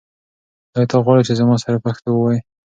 آیا ته غواړې چې زما سره پښتو ووایې؟